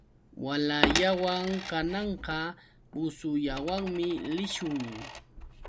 Walallawan kananqa busullawanmi lishun.